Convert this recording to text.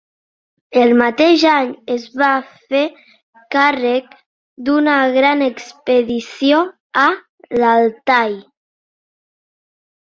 El mateix any es va fer càrrec d'una gran expedició a l'Altai.